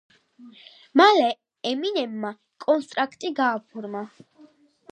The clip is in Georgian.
მალე ემინემმა კონტრაქტი გააფორმა.